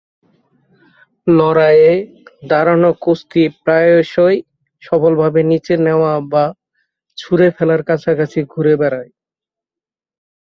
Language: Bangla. লড়াইয়ে, দাঁড়ানো কুস্তি প্রায়শই সফলভাবে নিচে নেয়া বা ছুড়ে ফেলার কাছাকাছি ঘুরে বেড়ায়।